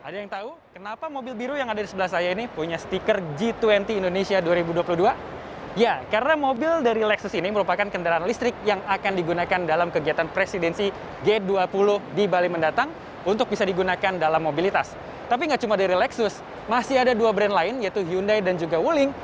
dua brand lain yaitu hyundai dan juga huling